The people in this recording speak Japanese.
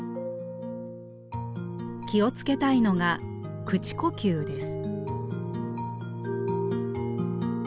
気を付けたいのが口呼吸です。